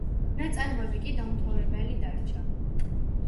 ნაწარმოები კი დაუმთავრებელი დარჩა.